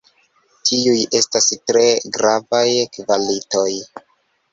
Tiuj estas tre gravaj kvalitoj.